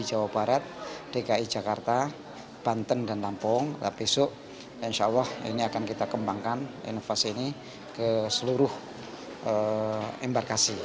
jawa barat dki jakarta banten dan lampung besok insya allah ini akan kita kembangkan inovasi ini ke seluruh embarkasi